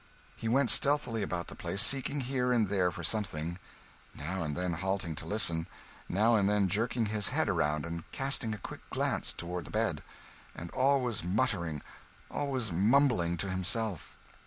He went stealthily about the place, seeking here and there for something; now and then halting to listen, now and then jerking his head around and casting a quick glance toward the bed; and always muttering, always mumbling to himself.